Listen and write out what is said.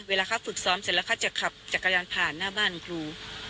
เวลาเขาฝึกซ้อมเสร็จแล้วเขาจะขับจักรยานผ่านหน้าบ้านครู